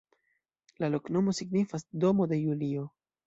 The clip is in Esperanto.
La loknomo signifas: domo de Julio.